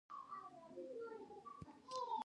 مصنوعي ځیرکتیا د هویت په تعریف کې رول لري.